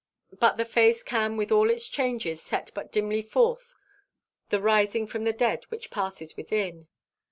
But the face can with all its changes set but dimly forth the rising from the dead which passes within.